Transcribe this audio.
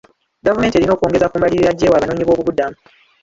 Gavumenti erina okwongeza ku mbalirira gyewa abanoonyi b'obubuddamu.